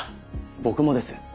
僕もです。